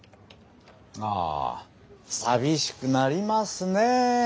ああ寂しくなりますね。